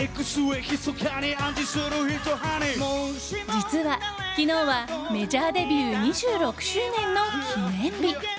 実は、昨日はメジャーデビュー２６周年の記念日。